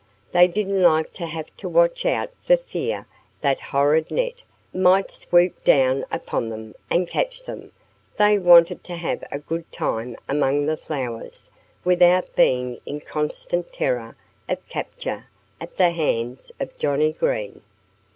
They didn't like to have to watch out for fear that horrid net might swoop down upon them and catch them. They wanted to have a good time among the flowers without being in constant terror of capture at the hands of Johnnie Green.